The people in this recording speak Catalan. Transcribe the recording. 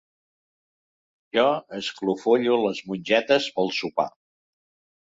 jo esclofollo les mongetes pel sopar